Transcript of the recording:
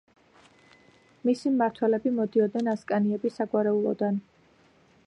მისი მმართველები მოდიოდნენ ასკანიების საგვარეულოდან.